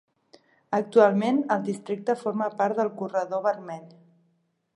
Actualment, el districte forma part del Corredor Vermell.